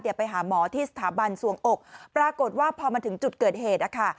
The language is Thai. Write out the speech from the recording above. ไปหาหมอที่สถาบันสวงอกปรากฏว่าพอมาถึงจุดเกิดเหตุนะคะ